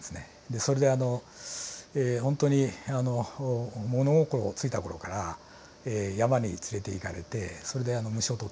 それであのほんとに物心付いた頃から山に連れていかれてそれで虫を捕ってたと。